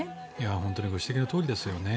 本当にご指摘のとおりですよね。